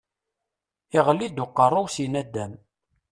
Iɣli-d uqerru-w si naddam.